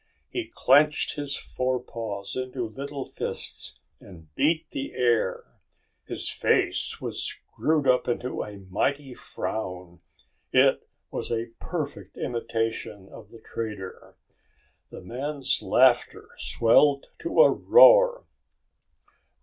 He clenched his forepaws into little fists and beat the air. His face was screwed up into a mighty frown. It was a perfect imitation of the trader. The men's laughter swelled to a roar.